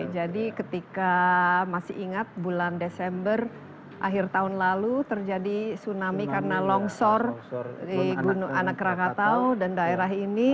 jadi ketika masih ingat bulan desember akhir tahun lalu terjadi tsunami karena longsor di anak krakatau dan daerah ini